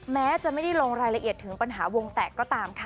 แม้จะไม่ได้ลงรายละเอียดถึงปัญหาวงแตกก็ตามค่ะ